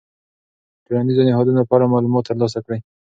د ټولنیزو نهادونو په اړه معلومات ترلاسه کړئ.